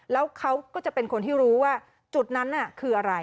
แล้วเขาก็จะเป็นคนที่รู้ว่าจุดนั้นคืออะไร